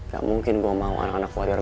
gak mungkin gue mau anak anak warior